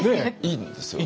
いいんですよ。